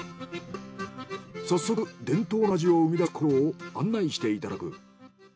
早速伝統の味を生み出す工場を案内していただく。